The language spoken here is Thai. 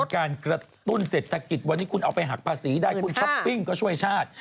การกระตุ้นเศรษฐกิจวันนี้คุณเอาไปหักภาษีได้คุณช้อปปิ้งก็ช่วยชาติ